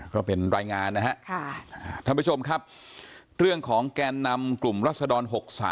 ก็เป็นรายงานนะฮะท่านผู้ชมครับเรื่องของแกนนำกลุ่มรัศดร๖๓